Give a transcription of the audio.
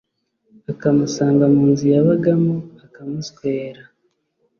akamusanga mu nzu yabagamo akamuswera